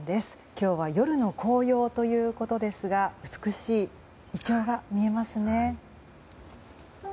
今日は夜の紅葉ということですが美しいイチョウが見えますね。